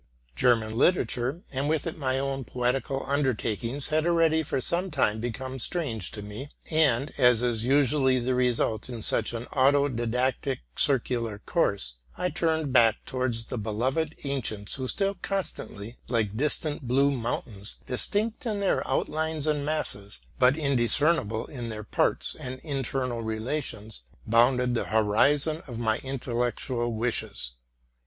German literature, and with it my own poetical undertak ings, had already for some time become strange to me ; and, as is usually the result in such an auto didactic circular course, I turned back towards the beloved ancients who still constantly, like distant blue mountains, distinct in their outlines and masses, but indiscernible in their parts and internal relations, bounded the horizon of my intellectual wishes.